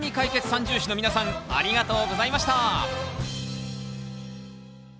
三銃士の皆さんありがとうございました！